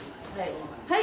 はい。